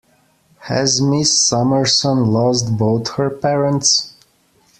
Has Miss Summerson lost both her parents?